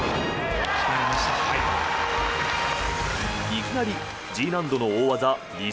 いきなりＧ難度の大技リ・